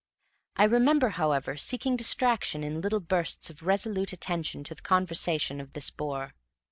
I remember, however, seeking distraction in little bursts of resolute attention to the conversation of this bore.